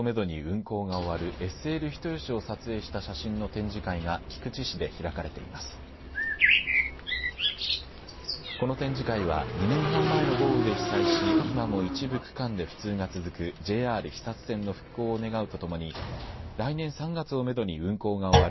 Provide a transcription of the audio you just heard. この展示会は２年半前の豪雨で被災し今も一部区間で不通が続くＪＲ肥薩線の復興を願うとともに来年３月をめどに運行が終わる